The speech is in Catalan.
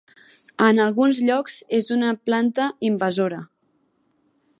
En alguns llocs és una planta invasora.